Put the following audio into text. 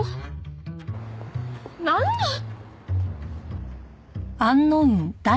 なんなん！？